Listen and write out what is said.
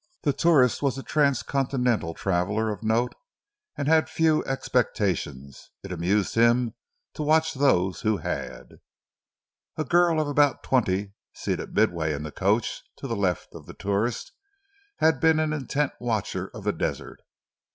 The tourist was a transcontinental traveler of note and he had few expectations. It amused him to watch those who had. A girl of about twenty, seated midway in the coach to the left of the tourist, had been an intent watcher of the desert.